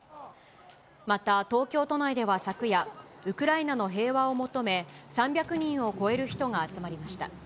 また東京都内では昨夜、ウクライナの平和を求め、３００人を超える人が集まりました。